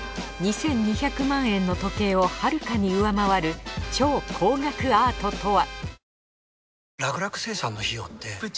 ２，２００万円の時計をはるかに上回る超高額アートとは！？